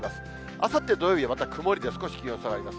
あさって土曜日は曇りで少し気温が下がります。